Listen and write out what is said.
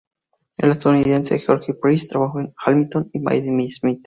El estadounidense George R. Price trabajó con Hamilton y Maynard Smith.